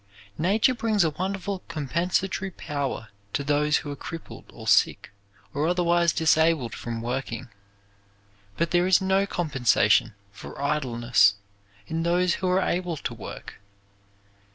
Nature brings a wonderful compensatory power to those who are crippled or sick or otherwise disabled from working, but there is no compensation for idleness in those who are able to work.